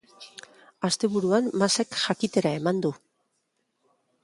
Asteburuan Masek jakitera eman du.